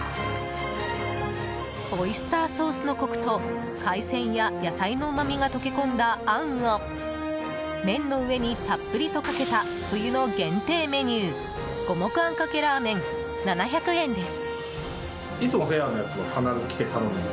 オイスターソースのコクと海鮮や野菜のうまみが溶け込んだあんを麺の上にたっぷりとかけた冬の限定メニュー五目あんかけラーメン７００円です。